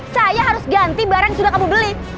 saya harus ganti barang yang sudah kamu beli